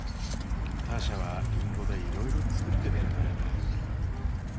ターシャはリンゴでいろいろ作ってくれたよ。